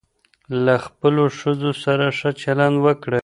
له خپلو ښځو سره ښه چلند وکړئ.